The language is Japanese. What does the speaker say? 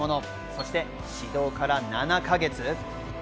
そして始動から７か月。